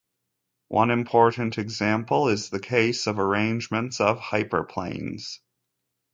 One important example is the case of arrangements of hyperplanes.